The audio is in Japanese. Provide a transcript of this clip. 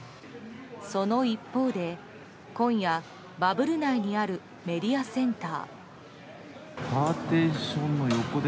その一方で今夜、バブル内にあるメディアセンター。